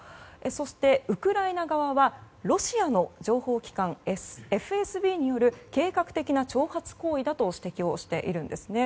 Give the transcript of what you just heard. そして、ウクライナ側はロシアの情報機関ＦＳＢによる計画的な挑発行為だと指摘しています。